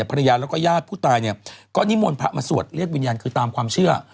ภรรยาแล้วก็ญาติผู้ตายเนี่ยก็นิมนต์พระมาสวดเรียกวิญญาณคือตามความเชื่อ